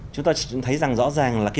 chúng ta thấy rõ ràng là